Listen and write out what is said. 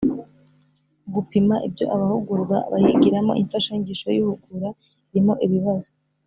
Gupima ibyo abahugurwa bayigiramo imfashanyigisho y uhugura irimo ibibazo